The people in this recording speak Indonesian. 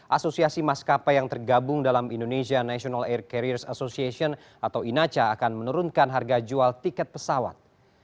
asosiasi maskapai yang tergabung dalam indonesia national air carriers association atau inaca akan menurunkan harga jual tiket pesawat